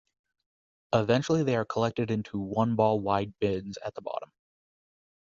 Eventually, they are collected into one-ball-wide bins at the bottom.